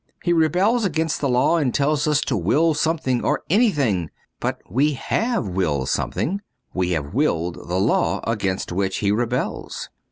He rebels against the law and tells us to will something or anything. But we have willed something. We have willed the law against which he rebels.